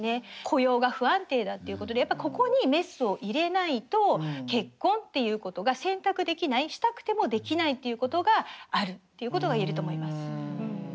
雇用が不安定だっていうことでやっぱりここにメスを入れないと結婚っていうことが選択できないしたくてもできないっていうことがあるっていうことが言えると思います。